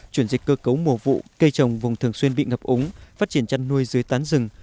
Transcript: chuyển dịch cơ cấu mùa vụ cây trồng vùng thường xuyên bị ngập úng phát triển chăn nuôi dưới tán rừng